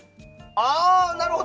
あー、なるほど！